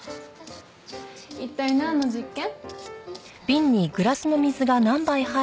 一体なんの実験？